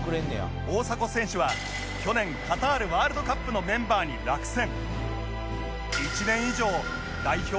大迫選手は去年カタールワールドカップのメンバーに落選